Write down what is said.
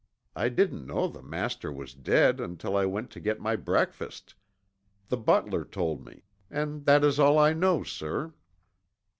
I didn't know the master was dead until I went to get my breakfast. The butler told me, and that is all I know, sir."